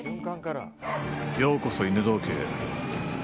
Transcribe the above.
ようこそ、犬堂家へ。